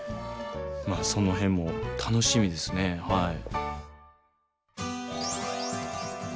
まあその辺も楽しみですねはい。